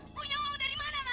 punya uang dari mana tante